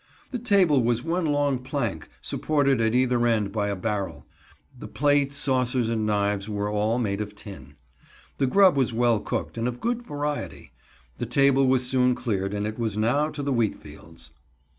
The table was one long plank, supported at either end by a barrel. The plates, saucers and knives were all made of tin. The grub was well cooked and of good variety. The table was soon cleared and it was now to the wheat fields.